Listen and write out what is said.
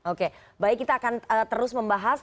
oke baik kita akan terus membahas